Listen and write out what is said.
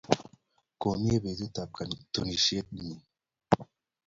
Ko myee petut ap katunisyenyi